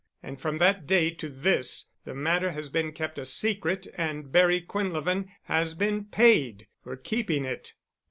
And from that day to this the matter has been kept a secret and Barry Quinlevin has been paid for keeping it."